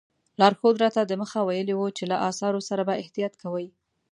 لارښود راته دمخه ویلي وو چې له اثارو سره به احتیاط کوئ.